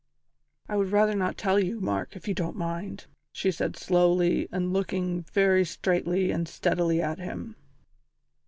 "I would rather not tell you, Mark, if you don't mind," she said slowly and looking very straightly and steadily at him.